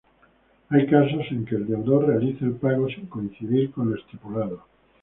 Hay casos en que el deudor realiza el pago sin coincidir con lo estipulado.